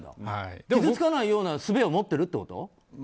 傷つかないようなすべを持ってるってこと？